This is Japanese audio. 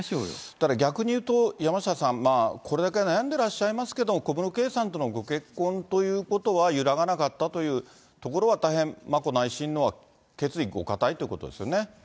だから逆に言うと山下さん、これだけ悩んでらっしゃいますけど、小室圭さんとのご結婚ということは揺らがなかったというところは大変、眞子内親王は決意、ご固いということですよね。